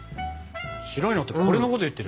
白いのってこれのこと言ってる？